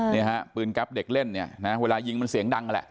นี่ฮะปืนกรับเด็กเล่นเนี่ยเวลายิงมันเสียงดังอะแหละ